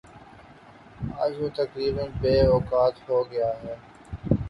آج وہ تقریبا بے وقعت ہو گیا ہے